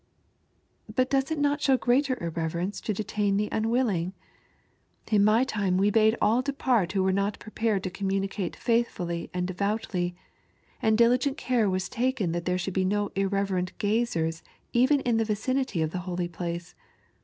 " But does it not show greater irreverence to detain the unwilling ? In my time we bade all depart who were not prepared to communicate faithfully and devoutly, and diligent care was taken that there should be no irreverent gazers even in the vicinity of the holy place.